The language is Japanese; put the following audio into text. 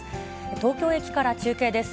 東京駅から中継です。